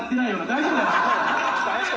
大丈夫か。